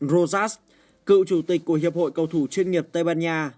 rosass cựu chủ tịch của hiệp hội cầu thủ chuyên nghiệp tây ban nha